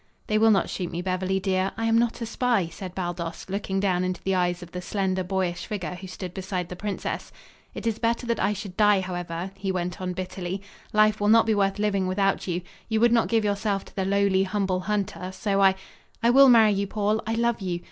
"They will not shoot me, Beverly, dear. I am not a spy," said Baldos, looking down into the eyes of the slender boyish figure who stood beside the princess. "It is better that I should die, however," he went on bitterly. "Life will not be worth living without you. You would not give yourself to the lowly, humble hunter, so I " "I will marry you, Paul. I love you.